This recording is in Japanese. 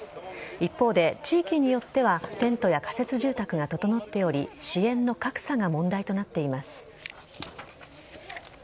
一方で地域によってはテントや仮設住宅が整っており支援の格差が問題となっています。